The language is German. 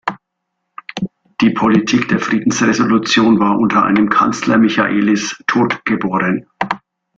Die Politik der Friedensresolution war unter einem Kanzler Michaelis „tot geboren“.